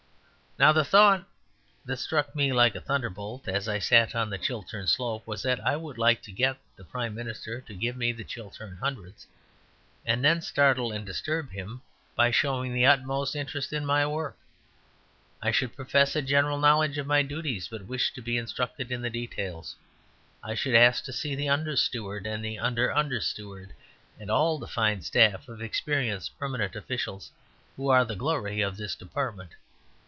Now, the thought that struck me like a thunderbolt as I sat on the Chiltern slope was that I would like to get the Prime Minister to give me the Chiltern Hundreds, and then startle and disturb him by showing the utmost interest in my work. I should profess a general knowledge of my duties, but wish to be instructed in the details. I should ask to see the Under Steward and the Under Under Steward, and all the fine staff of experienced permanent officials who are the glory of this department.